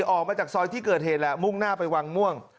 ออกมาจากซอยที่เกิดเหตุแหละมุ่งหน้าไปวังม่วง